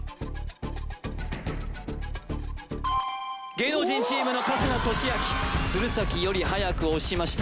芸能人チームの春日俊彰鶴崎よりはやく押しました